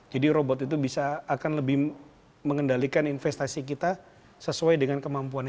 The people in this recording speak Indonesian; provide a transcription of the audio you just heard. jadi robot itu bisa akan lebih mengendalikan investasi kita sesuai dengan kemampuannya